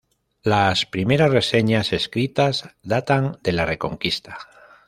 Las primeras reseñas escritas datan de la Reconquista.